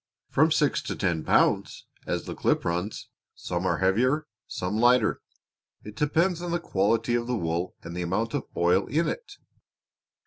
"From six to ten pounds as the clip runs. Some are heavier, some lighter. It depends on the quality of the wool, and the amount of oil in it."